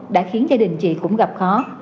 đã khiến gia đình chị cũng gặp khó